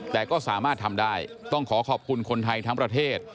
แต่ก็สามารถทำได้ต้องขอขอบคุณคนไทยทั้งประเทศ